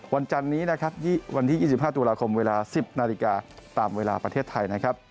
วันจันนี้วันที่๒๕ตุลาคมเวลา๑๐นาฬิกาตามเวลาประเทศไทย